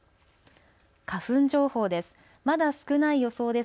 花粉情報です。